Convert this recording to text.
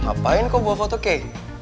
ngapain kau bawa foto kek